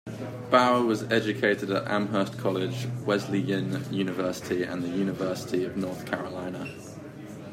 Bauer was educated at Amherst College, Wesleyan University and the University of North Carolina.